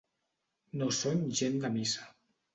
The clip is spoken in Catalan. No són gent de missa.